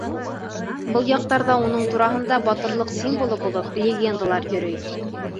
Был яҡтарҙа уның тураһында, батырлыҡ символы булып, легендалар йөрөй.